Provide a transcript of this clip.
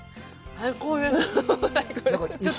最高です。